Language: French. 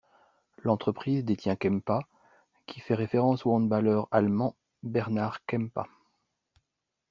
L'entreprise détient Kempa, qui fait référence au handballeur allemand Bernhard Kempa.